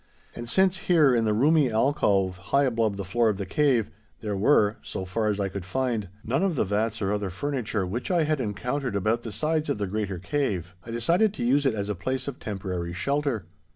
And since here, in the roomy alcove high above the floor of the cave, there were (so far as I could find) none of the vats or other furniture which I had encountered about the sides of the greater cave, I decided to use it as a place of temporary shelter.